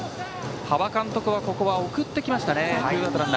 端場監督はここは送ってきましたね。